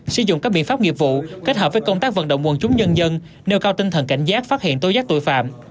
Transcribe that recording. sử dụng các biện pháp nghiệp vụ kết hợp với công tác vận động quần chúng nhân dân nêu cao tinh thần cảnh giác phát hiện tố giác tội phạm